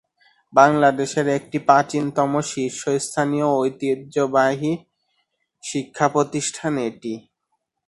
বাংলাদেশের একটি প্রাচীনতম শীর্ষস্থানীয় ও ঐতিহ্যবাহী শিক্ষাপ্রতিষ্ঠান এটি।